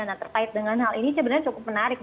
nah terkait dengan hal ini sebenarnya cukup menarik